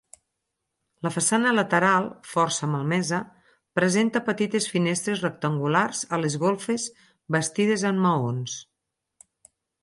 La façana lateral, força malmesa, presenta petites finestres rectangulars a les golfes bastides en maons.